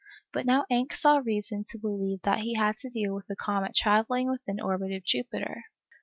But now Encke saw reason to believe that he had to deal with a comet travelling within the orbit of Jupiter.